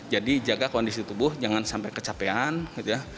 jadi jaga kondisi tubuh jangan sampai kecapean gitu ya